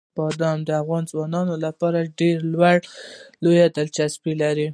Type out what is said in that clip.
بادام د افغان ځوانانو لپاره ډېره لویه دلچسپي لري.